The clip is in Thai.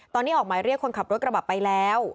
ตอนนี้ออกหมายเรียกคนขับรถกระบะไปแล้ว